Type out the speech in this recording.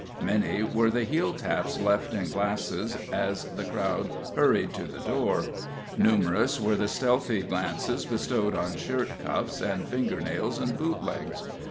Many were the heeltaps left in glasses as the crowd hurried to the door; numerous were the stealthy glances bestowed on shirt cuffs and finger nails and boot legs.